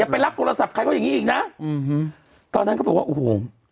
ไปรับโทรศัพท์ใครเขาอย่างงี้อีกนะอืมตอนนั้นเขาบอกว่าโอ้โห